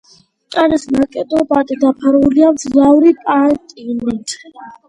კაჟის ნაკეთობანი დაფარულია მძლავრი პატინით.